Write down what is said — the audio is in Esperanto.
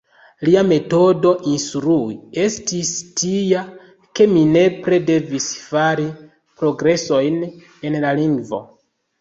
Lia metodo instrui estis tia, ke mi nepre devis fari progresojn en la lingvo.